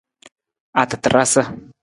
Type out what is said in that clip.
Atatarasa.